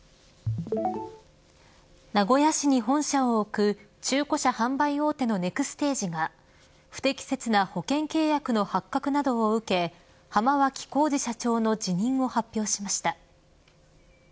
名古屋市に本社を置く中古車販売大手のネクステージが不適切な保険契約の発覚などを受け浜脇浩次社長の辞任を発表しました。